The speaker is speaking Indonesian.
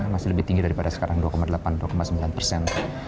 masih lebih tinggi daripada sekarang dua delapan dua sembilan persen